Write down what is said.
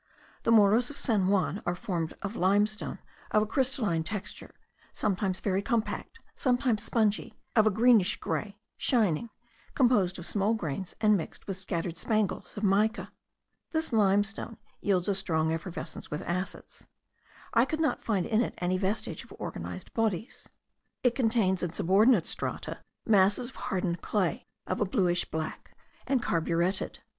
The Morros of San Juan are formed of limestone of a crystalline texture; sometimes very compact, sometimes spongy, of a greenish grey, shining, composed of small grains, and mixed with scattered spangles of mica. This limestone yields a strong effervescence with acids. I could not find in it any vestige of organized bodies. It contains in subordinate strata, masses of hardened clay of a blackish blue, and carburetted.